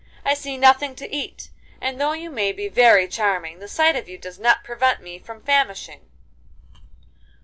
I see nothing to eat, and though you may be very charming, the sight of you does not prevent me from famishing.